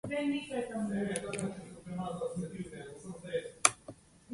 Kaj je to, Tomaž?